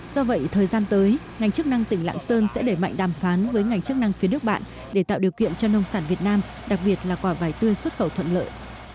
do vậy thời gian tới ngành chức năng tỉnh lạng sơn sẽ để mạnh đàm phán với ngành chức năng phía nước bạn để tạo điều kiện cho nông sản việt nam đặc biệt là quả vải tươi xuất khẩu thuận lợi